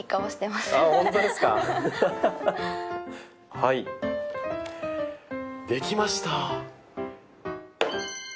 はいできました。